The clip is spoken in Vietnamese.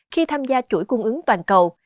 khi tham gia chuỗi cung ứng toàn cầu